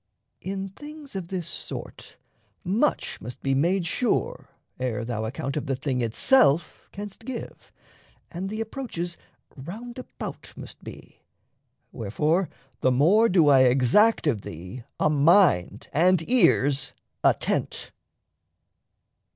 In things of this sort, much must be made sure Ere thou account of the thing itself canst give, And the approaches roundabout must be; Wherefore the more do I exact of thee A mind and ears attent.